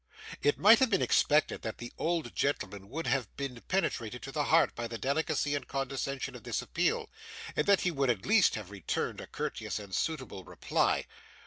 It might have been expected that the old gentleman would have been penetrated to the heart by the delicacy and condescension of this appeal, and that he would at least have returned a courteous and suitable reply.